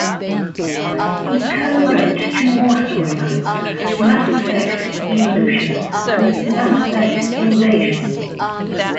He cowrote two more storylines, "Mass Effect: Evolution" and "Mass Effect: Invasion".